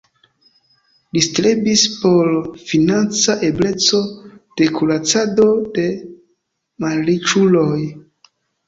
Li strebis por financa ebleco de kuracado de malriĉuloj.